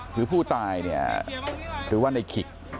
คือผู้ตายเนี่ยหรือว่าในขิก